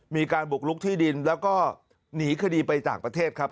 มีการบุกลุกที่ดินแล้วก็หนีคดีไปต่างประเทศครับ